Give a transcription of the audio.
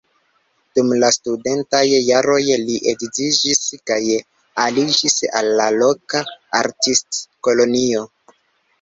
Dum la studentaj jaroj li edziĝis kaj aliĝis al la loka artistkolonio.